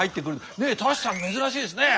ねえ舘さん珍しいですね。